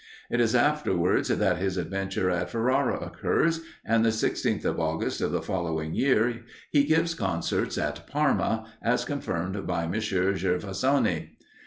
It is afterwards that his adventure at Ferrara occurs; and the 16th of August of the following year he gives concerts at Parma, as confirmed by M. Gervasoni.